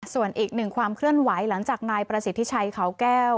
ส่วนอีกหนึ่งความเคลื่อนไหวหลังจากนายประสิทธิชัยเขาแก้ว